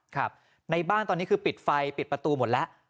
ครับในบ้านตอนนี้คือปิดไฟปิดประตูหมดแล้ว